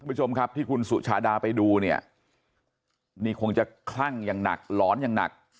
ผู้ชมครับที่คุณสุชาดาไปดูเนี่ยนี่คงจะคลั่งอย่างหนักหลอนอย่างหนัก